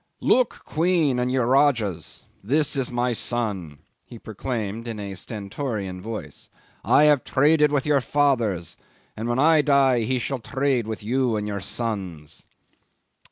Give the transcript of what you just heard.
"Look, queen, and you rajahs, this is my son," he proclaimed in a stentorian voice. "I have traded with your fathers, and when I die he shall trade with you and your sons."